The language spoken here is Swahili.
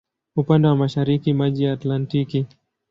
Upande wa mashariki maji ya Atlantiki.